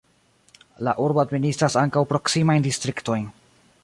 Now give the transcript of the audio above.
La urbo administras ankaŭ proksimajn distriktojn.